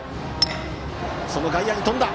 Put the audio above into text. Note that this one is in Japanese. その外野に飛んだ！